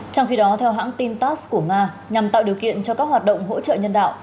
trong khi đó theo hãng tin tass của nga nhằm tạo điều kiện cho các hoạt động hỗ trợ nhân đạo